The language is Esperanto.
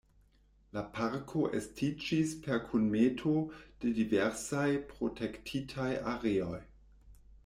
La parko estiĝis per kunmeto de diversaj protektitaj areoj.